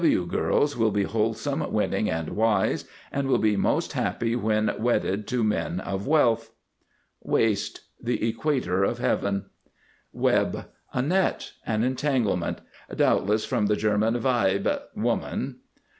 W girls will be Wholesome, Winning, and Wise, and will be most happy when Wedded to men of Wealth. WAIST. The equator of Heaven. WEB. A net. An entanglement. Doubtless from the German weib, woman.